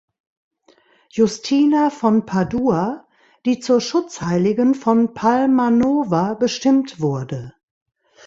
Justina von Padua, die zur Schutzheiligen von Palmanova bestimmt wurde.